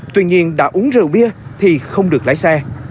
tuy nhiên đã uống rượu bia thì không được lái xe